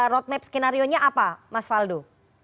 road map skenario nya apa mas fado